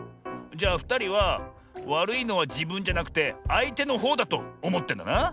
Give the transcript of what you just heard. じゃあふたりはわるいのはじぶんじゃなくてあいてのほうだとおもってんだな。